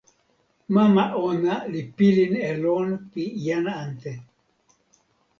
mama ona li pilin e lon pi jan ante.